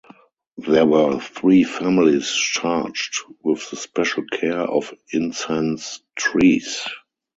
There were three families charged with the special care of incense-trees.